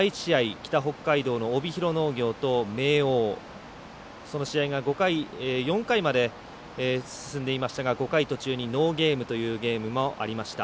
北北海道の帯広農業と明桜、その試合が４回まで進んでいましたが５回途中にノーゲームというゲームもありました。